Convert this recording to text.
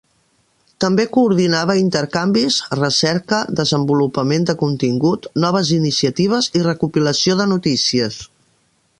També coordinava intercanvis, recerca, desenvolupament de contingut, noves iniciatives i recopilació de notícies.